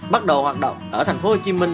bắt đầu hoạt động ở thành phố hồ chí minh